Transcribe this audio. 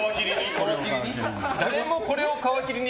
これを皮切りに？